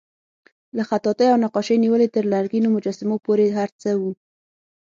له خطاطۍ او نقاشۍ نیولې تر لرګینو مجسمو پورې هر څه وو.